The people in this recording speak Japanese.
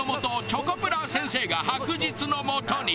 チョコプラ先生が白日の下に。